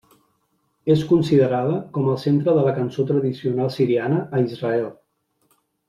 És considerada com el centre de la cançó tradicional siriana a Israel.